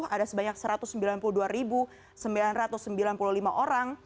ada sebanyak satu ratus sembilan puluh dua sembilan ratus sembilan puluh lima orang